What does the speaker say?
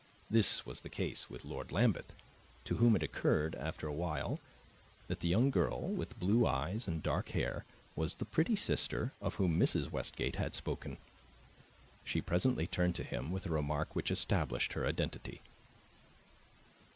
This was the case with Lord Lambeth, to whom it occurred after a while that the young girl with blue eyes and dark hair was the pretty sister of whom Mrs. Westgate had spoken. She presently turned to him with a remark which established her identity.